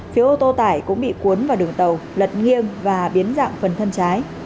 phía ô tô tải cũng bị cuốn vào đường tàu lật nghiêng và biến dạng phần thân trái